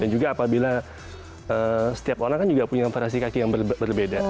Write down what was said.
dan juga apabila setiap orang kan juga punya varasi kaki yang berbeda